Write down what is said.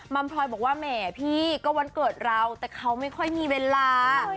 มพลอยบอกว่าแหมพี่ก็วันเกิดเราแต่เขาไม่ค่อยมีเวลา